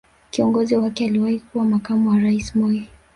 Kiongozi wake aliyewahi kuwa makamu wa rais Moi